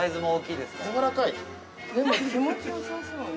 ◆でも気持ちよさそうね。